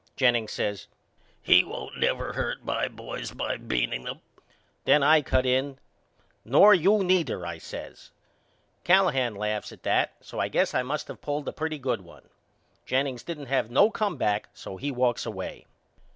Jennings says He won't never hurt my boys by beaning them, Then I cut in. Nor you neither, I says. Callahan laughs at that so I guess I must of pulled a pretty good one. Jennings didn't have no comeback so he walks away.